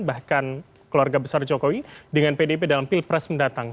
bahkan keluarga besar jokowi dengan pdip dalam pilpres mendatang